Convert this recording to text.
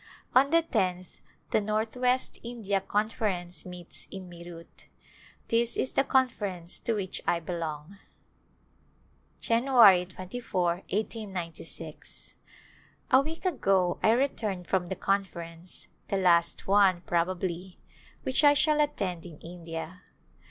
On the tenth the Northwest India Conference meets in Meerut. This is the Conference to which I belong. ^January 2^^ i8g6. A week ago I returned from the Conference, the last one, probably, which I shall attend in India.